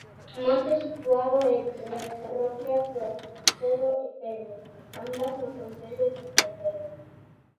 Monte situado entre as parroquias de Cercedo e Pedre, ambas no concello de Cercedo.